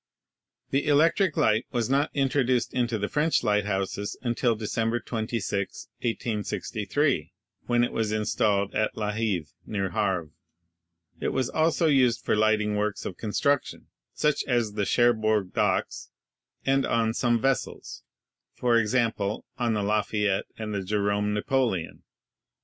The electric light was not introduced into the French lighthouses until December 26, 1863, when it was installed at La Heve, near Havre. It was also used for lighting works of construction, such as the Cherbourg Docks, and on some vessels, for example, on the Lafayette and the Jerome Napoleon.